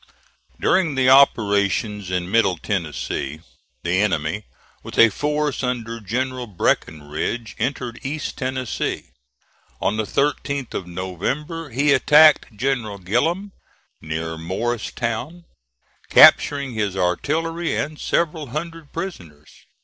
During the operations in Middle Tennessee, the enemy, with a force under General Breckinridge, entered East Tennessee. On the 13th of November he attacked General Gillem, near Morristown, capturing his artillery and several hundred prisoners.